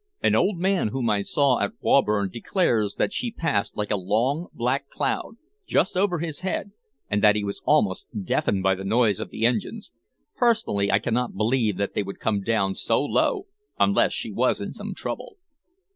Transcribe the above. An old man whom I saw at Waburne declares that she passed like a long, black cloud, just over his head, and that he was almost deafened by the noise of the engines. Personally, I cannot believe that they would come down so low unless she was in some trouble."